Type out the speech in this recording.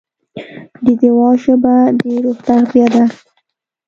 د دعا ژبه د روح تغذیه ده.